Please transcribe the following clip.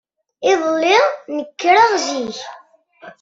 Iḍelli, nekreɣ zik.